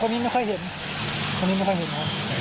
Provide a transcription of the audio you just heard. รู้จักครับเห็นหน้าเลยเห็นหน้าก็รู้เลย